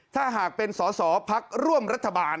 ถ้าหากเป็นสอสอพักร่วมรัฐบาล